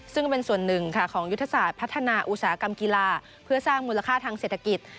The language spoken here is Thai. ซึ่งเป็นส่วนหนึ่งค่ะของยุทธศาสตร์พัฒนาอุตสาหกรรมกีฬาเพื่อสร้างมูลค่าทางเศรษฐกิจ